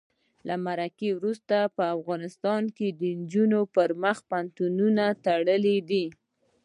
له مرګه وروسته په افغانستان کې د نجونو پر مخ پوهنتونونه تړلي دي.